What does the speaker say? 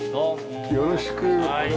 よろしくお願いします。